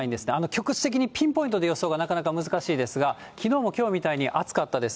局地的にピンポイントで予想がなかなか難しいですが、きのうもきょうみたいに暑かったです。